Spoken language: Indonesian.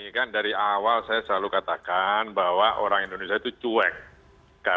ini kan dari awal saya selalu katakan bahwa orang indonesia itu cuek